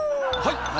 はい！